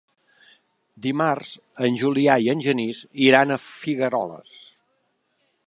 Dimarts en Julià i en Genís iran a Figueroles.